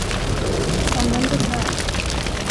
Använd den här.